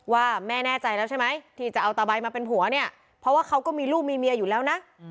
ว่าแม่แน่ใจแล้วใช่ไหมที่จะเอาตาใบมาเป็นผัวเนี่ยเพราะว่าเขาก็มีลูกมีเมียอยู่แล้วนะ